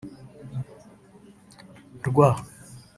rw